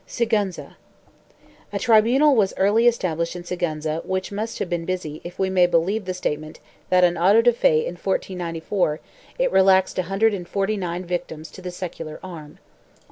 3 SIGUENZA. A tribunal was early established in Sigiienza which must have been busy if we may believe the statement that at an auto de fe in 1494 it relaxed a hundred and forty nine victims to the secular arm.